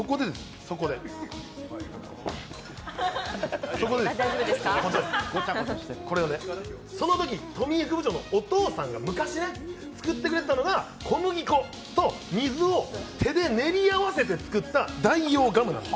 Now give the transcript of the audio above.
そこでですね、そのとき富井副部長のお父さんが昔ね、作ってくれたのが小麦粉と水を手で練り合わせて作った代用ガムなんです。